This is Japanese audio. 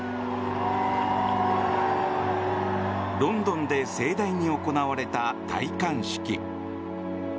ロンドンで盛大に行われた戴冠式。